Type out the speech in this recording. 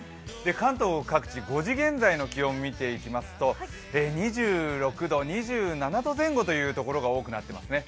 関東各地、５時現在の気温を見ていきますと２６度、２７度前後という所が多くなっていますね。